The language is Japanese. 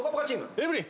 エブリン。